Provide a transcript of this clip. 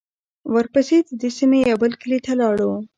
ورپسې د دې سیمې یوه بل کلي ته لاړو.